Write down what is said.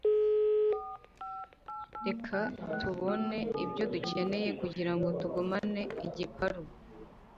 Reka tubone ibyo dukeneye kugirango tugumane igiparu